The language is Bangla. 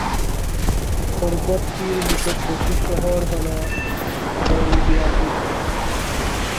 পর্বতটির নিকটবর্তী শহর হল দোয়ুবেয়াজিত।